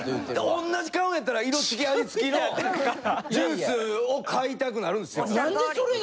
おんなじ買うんやったら色付き味付きのジュースを買いたくなるんすよ。